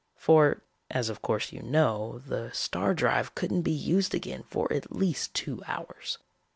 For, as of course you know, the star drive couldn't be used again for at least two hours.